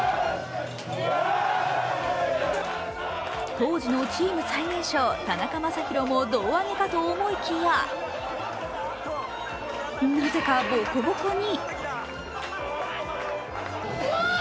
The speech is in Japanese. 当時のチーム最年少、田中将大も胴上げかと思いきやなぜかボコボコに。